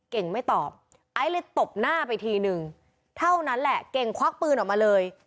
เก่งไม่ตอบไอซ์เลยตบหน้าไปทีนึงเท่านั้นแหละเก่งควักปืนออกมาเลย